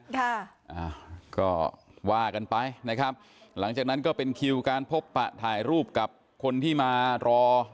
ค่ะอ่าก็ว่ากันไปนะครับหลังจากนั้นก็เป็นคิวการพบปะถ่ายรูปกับคนที่มารอ